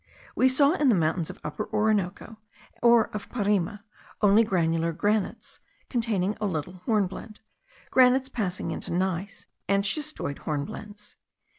We saw in the mountains of Upper Orinoco, or of Parime, only granular granites containing a little hornblende, granites passing into gneiss, and schistoid hornblendes.